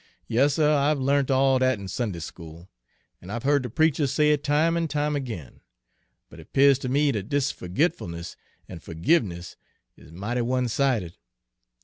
'" "Yas, suh, I've l'arnt all dat in Sunday school, an' I've heared de preachers say it time an' time ag'in. But it 'pears ter me dat dis fergitfulniss an' fergivniss is mighty one sided.